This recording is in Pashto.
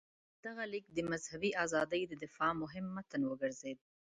دغه لیک د مذهبي ازادۍ د دفاع مهم متن وګرځېد.